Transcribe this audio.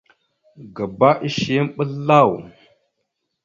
Gǝba ishe yam ɓəzlav.